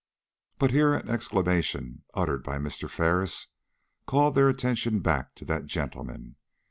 But here an exclamation, uttered by Mr. Ferris, called their attention back to that gentleman.